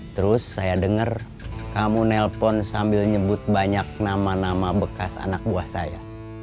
terus saya dengar kamu nelpon sambil nyebut banyak nama nama bekas anak buah saya